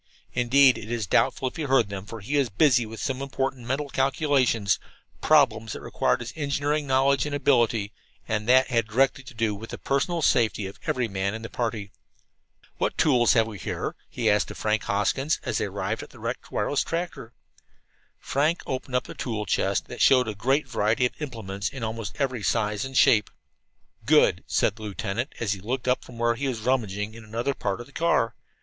Indeed, it is doubtful if he heard them, for he was busy with some important mental calculations problems that required his engineering knowledge and ability, and that had directly to do with the personal safety of every man in the party. "What tools have we here?" he asked of Frank Hoskins, as they arrived at the wrecked wireless tractor. Frank opened up a tool chest that showed a great variety of implements in almost every size and shape. "Good," said the lieutenant, as he looked up from where he was rummaging in another part of the car.